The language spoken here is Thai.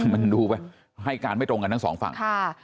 มันดูไปให้การไม่ตรงกันทั้งสองฝั่ง